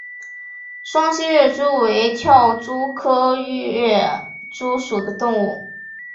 双栖跃蛛为跳蛛科跃蛛属的动物。